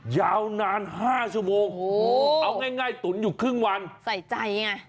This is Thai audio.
ยาวนานห้าชั่วโมงโอ้โหเอาง่ายตุ๋นอยู่ครึ่งวันใส่ใจไง